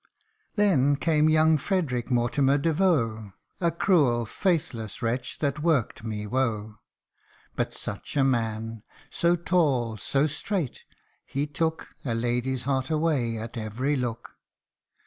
Then came young Frederic Mortimer de Veaux : A cruel, faithless wretch, that work'd me woe. But such a man ! so tall, so straight he took A lady's heart away at every look.